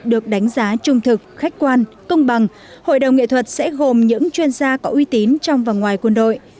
được đánh giá trung thực khách quan công bằng hội đồng nghệ thuật sẽ gồm những chuyên gia có uy tín trong và ngoài quân đội